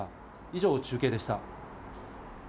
以上、中継でした。